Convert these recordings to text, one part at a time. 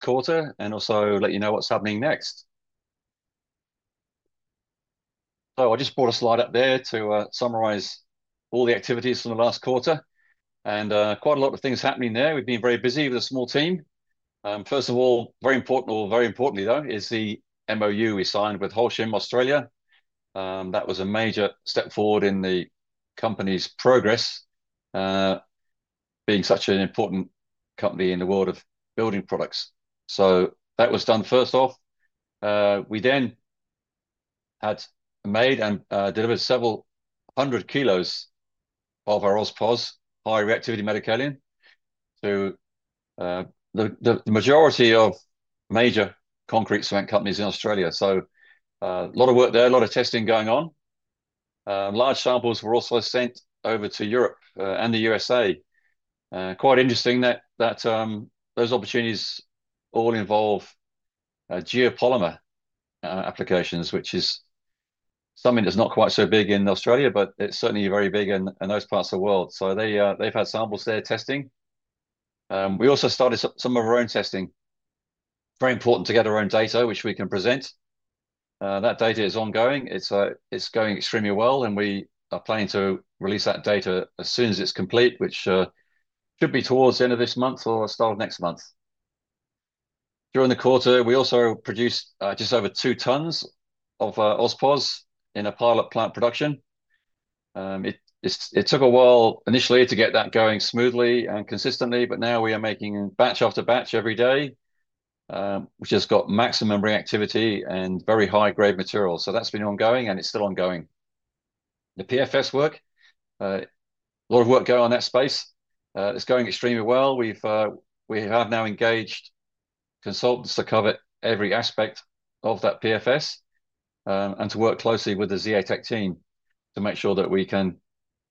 Quarter, and also let you know what's happening next. I just brought a slide up there to summarize all the activities from the last quarter, and quite a lot of things happening there. We've been very busy with a small team. First of all, very important, or very importantly though, is the MoU we signed with Holcim Australia. That was a major step forward in the company's progress, being such an important company in the world of building products. That was done first off. We then had made and delivered several hundred kilos of our OzPOS high reactivity metakaolin to the majority of major concrete cement companies in Australia. A lot of work there, a lot of testing going on. Large samples were also sent over to Europe and the USA. Quite interesting that those opportunities all involve geopolymer applications, which is something that's not quite so big in Australia, but it's certainly very big in those parts of the world. They have had samples there testing. We also started some of our own testing. Very important to get our own data, which we can present. That data is ongoing. It's going extremely well, and we are planning to release that data as soon as it's complete, which should be towards the end of this month or start of next month. During the quarter, we also produced just over 2 tons of OzPOS in a pilot plant production. It took a while initially to get that going smoothly and consistently, but now we are making batch after batch every day, which has got maximum reactivity and very high grade materials. That has been ongoing, and it's still ongoing. The PFS work, a lot of work going on that space, is going extremely well. We have now engaged consultants to cover every aspect of that PFS and to work closely with the Zeotech team to make sure that we can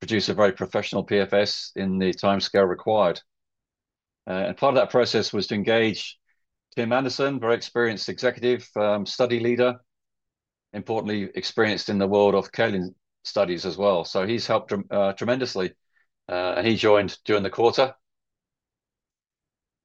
produce a very professional PFS in the time scale required. Part of that process was to engage Tim Anderson, very experienced executive study leader, importantly experienced in the world of kaolin studies as well. He's helped tremendously, and he joined during the quarter.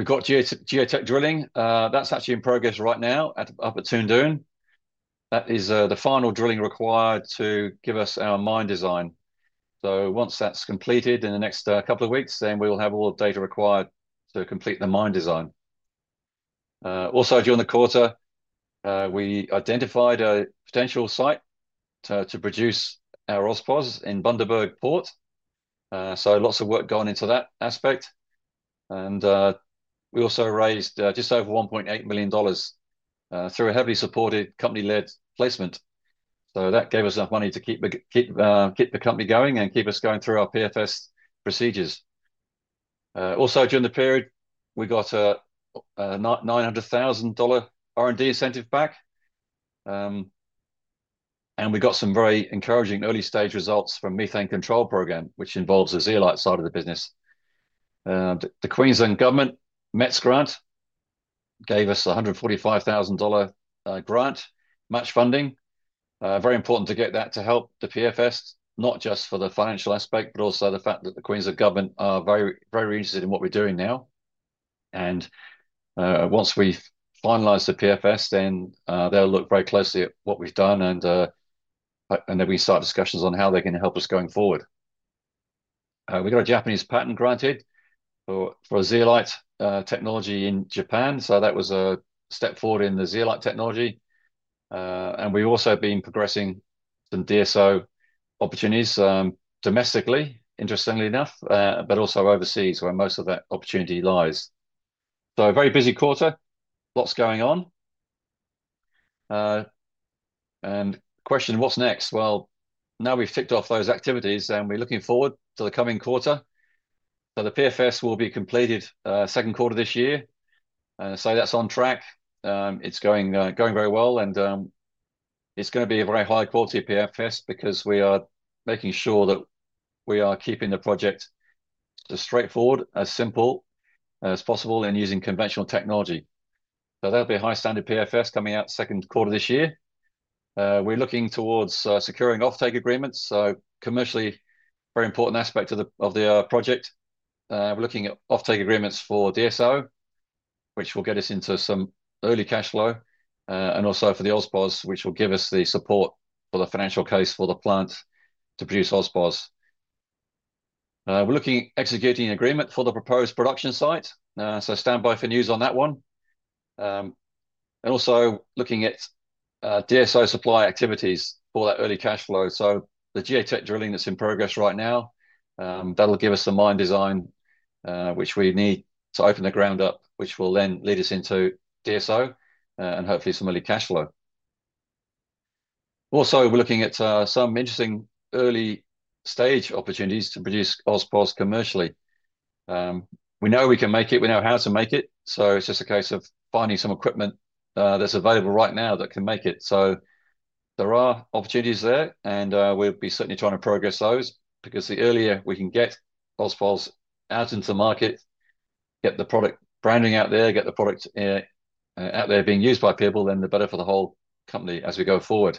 We've got geotech drilling. That's actually in progress right now up at Toondoon. That is the final drilling required to give us our mine design. Once that's completed in the next couple of weeks, we will have all the data required to complete the mine design. Also, during the quarter, we identified a potential site to produce our OzPOS in Bundaberg Port. Lots of work gone into that aspect. We also raised just over 1.8 million dollars through a heavily supported company-led placement. That gave us enough money to keep the company going and keep us going through our PFS procedures. Also, during the period, we got an 900,000 dollar R&D incentive back. We got some very encouraging early stage results from the Methane Control Program, which involves the zeolite side of the business. The Queensland Government Metz grant gave us an 145,000 dollar grant, match funding. Very important to get that to help the PFS, not just for the financial aspect, but also the fact that the Queensland Government are very interested in what we're doing now. Once we finalize the PFS, they'll look very closely at what we've done, and then we start discussions on how they can help us going forward. We got a Japanese patent granted for zeolite technology in Japan. That was a step forward in the zeolite technology. We've also been progressing some DSO opportunities domestically, interestingly enough, but also overseas, where most of that opportunity lies. A very busy quarter, lots going on. Question, what's next? Now we've ticked off those activities, and we're looking forward to the coming quarter. The PFS will be completed second quarter this year. That's on track. It's going very well, and it's going to be a very high quality PFS because we are making sure that we are keeping the project as straightforward, as simple as possible, and using conventional technology. That will be a high standard PFS coming out second quarter this year. We're looking towards securing off-take agreements. Commercially, very important aspect of the project. We're looking at off-take agreements for DSO, which will get us into some early cash flow, and also for the OzPOS, which will give us the support for the financial case for the plant to produce OzPOS. We are looking at executing an agreement for the proposed production site. Stand by for news on that one. We are also looking at DSO supply activities for that early cash flow. The geotech drilling that is in progress right now will give us the mine design, which we need to open the ground up, which will then lead us into DSO and hopefully some early cash flow. We are also looking at some interesting early stage opportunities to produce OzPOS commercially. We know we can make it. We know how to make it. It is just a case of finding some equipment that is available right now that can make it. There are opportunities there, and we'll be certainly trying to progress those because the earlier we can get OzPOS out into the market, get the product branding out there, get the product out there being used by people, then the better for the whole company as we go forward.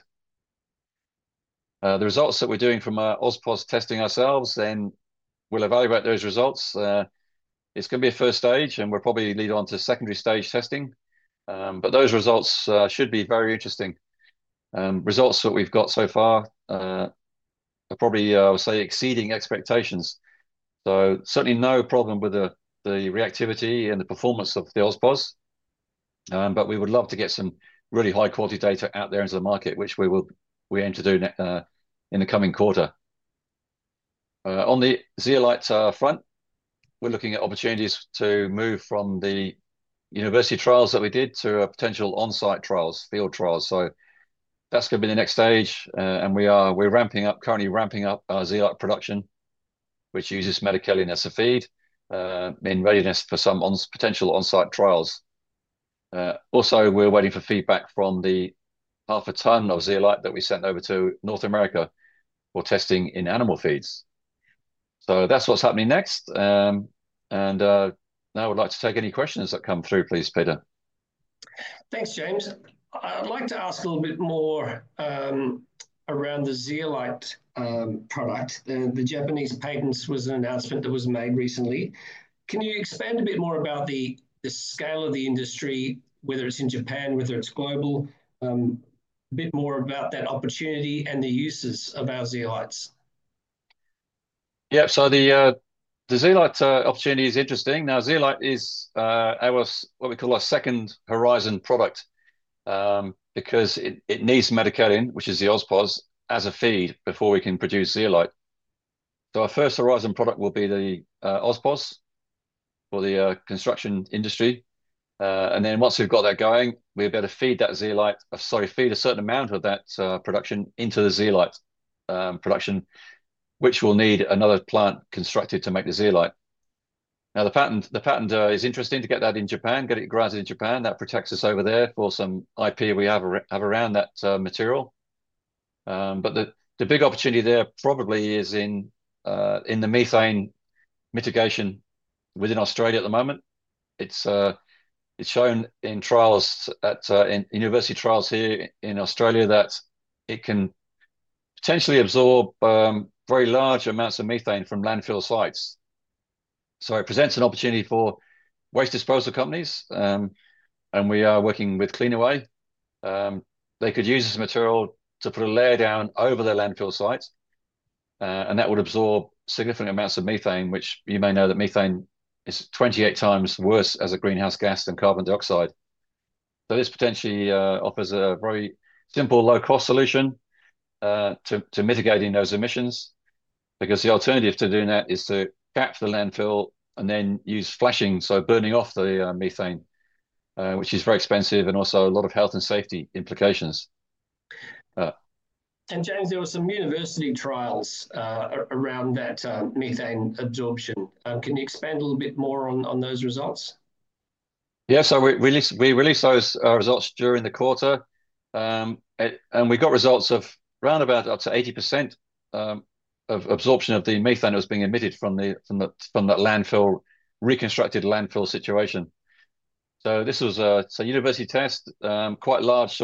The results that we're doing from OzPOS testing ourselves, then we'll evaluate those results. It's going to be a first stage, and we'll probably lead on to secondary stage testing. Those results should be very interesting. Results that we've got so far are probably, I would say, exceeding expectations. Certainly no problem with the reactivity and the performance of the OzPOS. We would love to get some really high quality data out there into the market, which we aim to do in the coming quarter. On the zeolite front, we're looking at opportunities to move from the university trials that we did to potential on-site trials, field trials. That is going to be the next stage. We're ramping up, currently ramping up our zeolite production, which uses metakaolin as a feed in readiness for some potential on-site trials. Also, we're waiting for feedback from the half a ton of zeolite that we sent over to North America for testing in animal feeds. That is what's happening next. Now I would like to take any questions that come through, please, Peter. Thanks, James. I'd like to ask a little bit more around the zeolite product. The Japanese patents was an announcement that was made recently. Can you expand a bit more about the scale of the industry, whether it's in Japan, whether it's global, a bit more about that opportunity and the uses of our zeolites? Yeah, so the zeolite opportunity is interesting. Now, zeolite is what we call a second horizon product because it needs metakaolin, which is the OzPOS, as a feed before we can produce zeolite. Our first horizon product will be the OzPOS for the construction industry. Once we've got that going, we're going to feed that zeolite, sorry, feed a certain amount of that production into the zeolite production, which will need another plant constructed to make the zeolite. The patent is interesting to get that in Japan, get it granted in Japan. That protects us over there for some IP we have around that material. The big opportunity there probably is in the methane mitigation within Australia at the moment. It's shown in university trials here in Australia that it can potentially absorb very large amounts of methane from landfill sites. It presents an opportunity for waste disposal companies, and we are working with CleanAway. They could use this material to put a layer down over the landfill site, and that would absorb significant amounts of methane, which you may know that methane is 28x worse as a greenhouse gas than carbon dioxide. This potentially offers a very simple low-cost solution to mitigating those emissions because the alternative to doing that is to cap the landfill and then use flashing, so burning off the methane, which is very expensive and also a lot of health and safety implications. James, there were some university trials around that methane absorption. Can you expand a little bit more on those results? Yeah, we released those results during the quarter, and we got results of around up to 80% absorption of the methane that was being emitted from that landfill, reconstructed landfill situation. This was a university test, quite large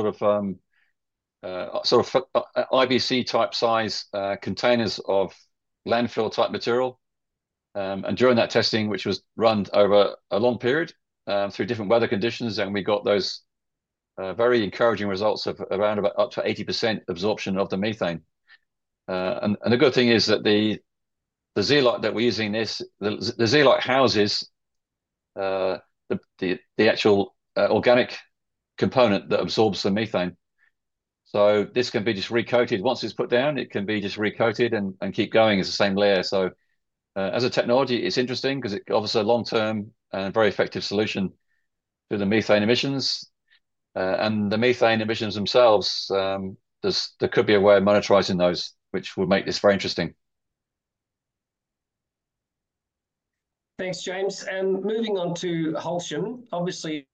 sort of IBC type size containers of landfill type material. During that testing, which was run over a long period through different weather conditions, we got those very encouraging results of around up to 80% absorption of the methane. The good thing is that the zeolite that we're using, the zeolite houses the actual organic component that absorbs the methane. This can be just recoated. Once it's put down, it can be just recoated and keep going as the same layer. As a technology, it's interesting because it offers a long-term and very effective solution to the methane emissions. The methane emissions themselves, there could be a way of monetizing those, which would make this very interesting. Thanks, James. Moving on to Holcim, obviously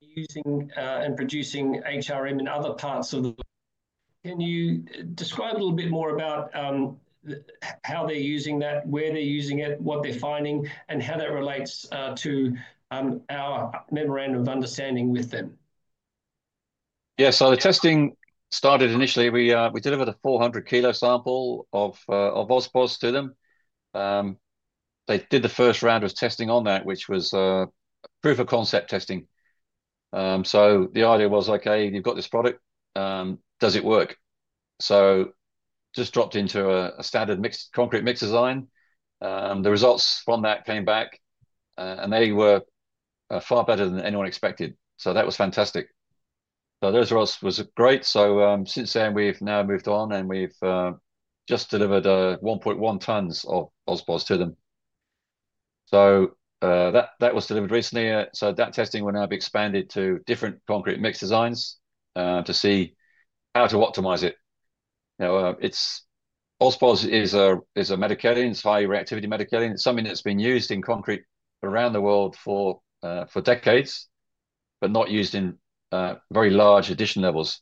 we're using and producing HRM in other parts of the world. Can you describe a little bit more about how they're using that, where they're using it, what they're finding, and how that relates to our memorandum of understanding with them? Yeah, so the testing started initially. We delivered a 400 kg sample of OzPOS to them. They did the first round of testing on that, which was proof of concept testing. The idea was, okay, you've got this product, does it work? Just dropped into a standard concrete mix design. The results from that came back, and they were far better than anyone expected. That was fantastic. Those results were great. Since then, we've now moved on, and we've just delivered 1.1 tons of OzPOS to them. That was delivered recently. That testing will now be expanded to different concrete mix designs to see how to optimize it. OzPOS is a metakaolin, it's high reactivity metakaolin. It's something that's been used in concrete around the world for decades, but not used in very large addition levels.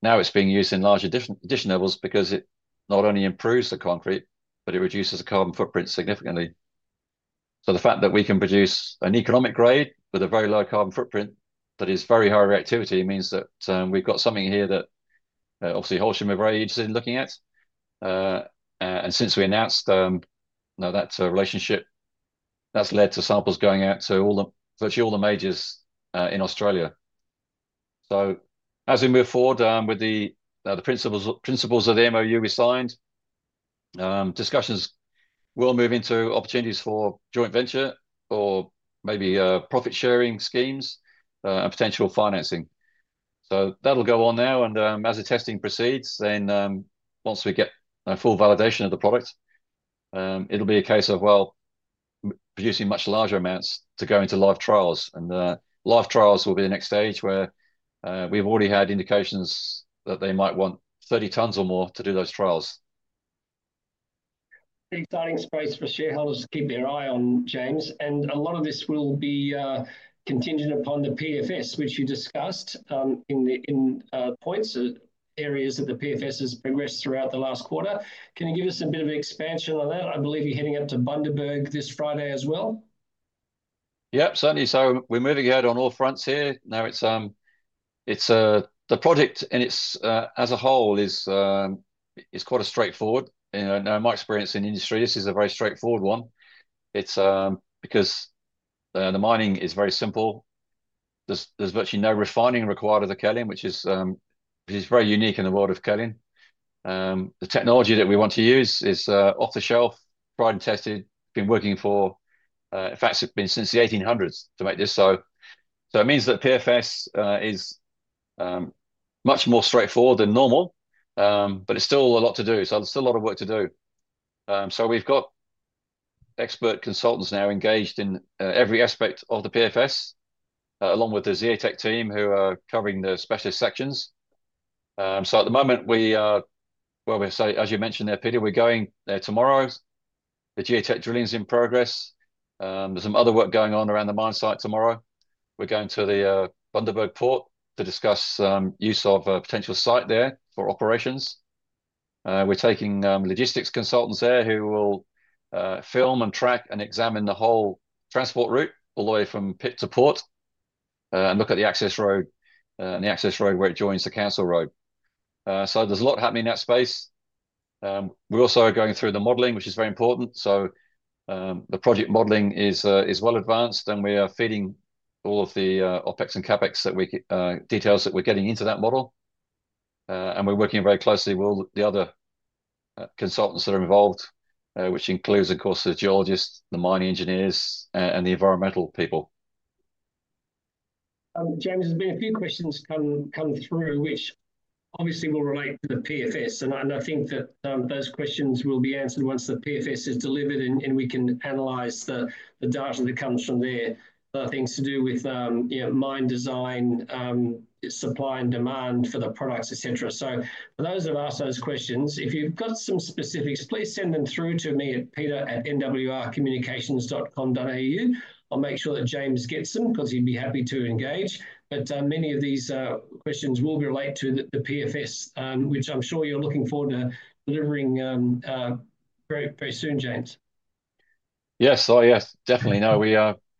Now it's being used in larger addition levels because it not only improves the concrete, but it reduces the carbon footprint significantly. The fact that we can produce an economic grade with a very low carbon footprint that is very high reactivity means that we've got something here that obviously Holcim have very interested in looking at. Since we announced that relationship, that's led to samples going out to virtually all the majors in Australia. As we move forward with the principles of the MOU we signed, discussions will move into opportunities for joint venture or maybe profit sharing schemes and potential financing. That'll go on now. As the testing proceeds, then once we get full validation of the product, it'll be a case of, you know, producing much larger amounts to go into live trials. Live trials will be the next stage where we've already had indications that they might want 30 tons or more to do those trials. Big starting space for shareholders to keep their eye on, James. A lot of this will be contingent upon the PFS, which you discussed in points, areas that the PFS has progressed throughout the last quarter. Can you give us a bit of expansion on that? I believe you're heading up to Bundaberg this Friday as well. Yep, certainly. We're moving ahead on all fronts here. Now, the project in it as a whole is quite straightforward. In my experience in industry, this is a very straightforward one. It's because the mining is very simple. There's virtually no refining required of the kaolin, which is very unique in the world of kaolin. The technology that we want to use is off the shelf, tried and tested. Been working for, in fact, it's been since the 1800s to make this. It means that PFS is much more straightforward than normal, but it's still a lot to do. There's still a lot of work to do. We've got expert consultants now engaged in every aspect of the PFS, along with the Zeotech team who are covering the specialist sections. At the moment, as you mentioned there, Peter, we're going there tomorrow. The geotech drilling is in progress. There's some other work going on around the mine site tomorrow. We're going to the Bundaberg Port to discuss use of a potential site there for operations. We're taking logistics consultants there who will film and track and examine the whole transport route all the way from pit to port and look at the access road and the access road where it joins the council road. There's a lot happening in that space. We also are going through the modeling, which is very important. The project modeling is well advanced, and we are feeding all of the OpEx and CapEx details that we're getting into that model. We are working very closely with the other consultants that are involved, which includes, of course, the geologists, the mining engineers, and the environmental people. James, there's been a few questions come through, which obviously will relate to the PFS. I think that those questions will be answered once the PFS is delivered and we can analyze the data that comes from there. There are things to do with mine design, supply and demand for the products, etc. For those of us, those questions, if you've got some specifics, please send them through to me at peter@nwrcommunications.com.au. I'll make sure that James gets them because he'd be happy to engage. Many of these questions will relate to the PFS, which I'm sure you're looking forward to delivering very soon, James. Yes, oh yes, definitely. No,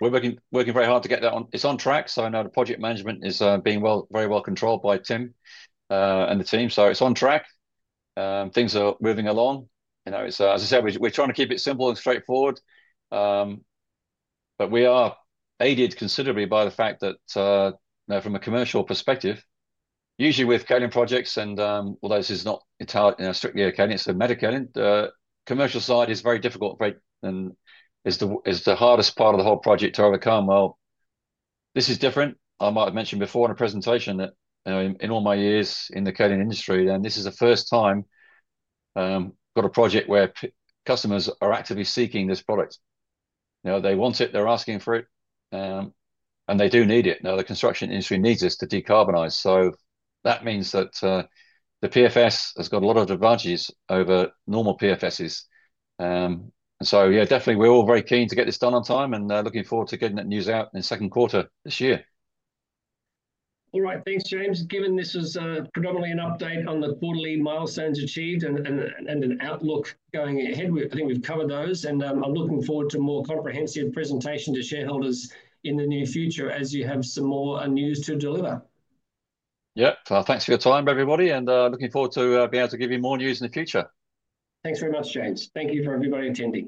we're working very hard to get that on. It's on track. I know the project management is being very well controlled by Tim and the team. It's on track. Things are moving along. As I said, we're trying to keep it simple and straightforward. We are aided considerably by the fact that from a commercial perspective, usually with kaolin projects, and although this is not strictly a kaolin, it's a metakaolin, the commercial side is very difficult. It's the hardest part of the whole project to overcome. This is different. I might have mentioned before in a presentation that in all my years in the kaolin industry, this is the first time we've got a project where customers are actively seeking this product. They want it, they're asking for it, and they do need it. Now, the construction industry needs us to decarbonize. That means that the PFS has got a lot of advantages over normal PFSs. Yeah, definitely, we're all very keen to get this done on time and looking forward to getting that news out in the second quarter this year. All right, thanks, James. Given this was predominantly an update on the quarterly milestones achieved and an outlook going ahead, I think we've covered those. I am looking forward to a more comprehensive presentation to shareholders in the near future as you have some more news to deliver. Yep, thanks for your time, everybody, and looking forward to being able to give you more news in the future. Thanks very much, James. Thank you for everybody attending.